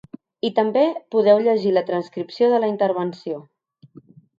I també podeu llegir la transcripció de la intervenció.